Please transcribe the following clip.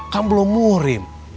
kamu belum murim